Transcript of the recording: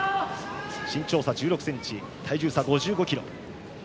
身長差１６ｃｍ体重差５５ｋｇ。